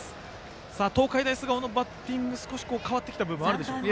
東海大菅生のバッティング少し変わってきた部分があるでしょうか？